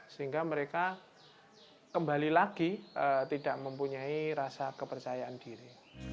sehingga mereka kembali lagi tidak mempunyai rasa kepercayaan diri